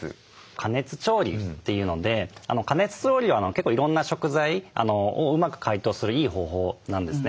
加熱調理というので加熱調理は結構いろんな食材をうまく解凍するいい方法なんですね。